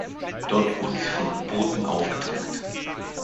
Dort wurden sie von U-Booten aufgetankt.